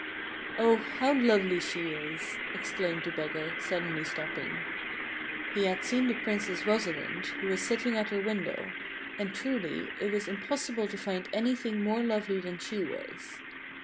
" Oh, how lovely she is !" exclaimed the beggar, suddenly stopping. He had seen the Princess Rosalind, who was sitting at her window; and, truly, it was impossible to find anything more lovely than she was.